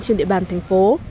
trên địa bàn thành phố